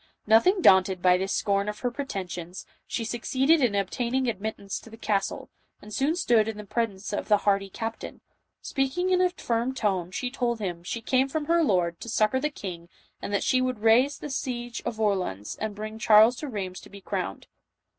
Nothing daunted by this scorn of her preten sions, she succeeded in obtaining admittance to the castle, and soon stood in the presence of the hardy cap tain. Speaking in a firm tone, she told him " she came from her Lord, to succor the king, and that she would raise the siege of Orleans, and bring Charles to Eheims to be crowned."